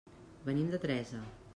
Venim de Teresa.